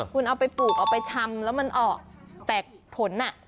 คุณเอาไปปลูกเอาไปชำแล้วมันออกแต่ผลอ่ะ